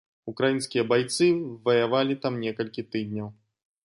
Украінскія байцы ваявалі там некалькі тыдняў.